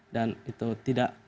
dan itu tidak